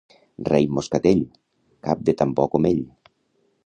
Raïm moscatell, cap de tan bo com ell.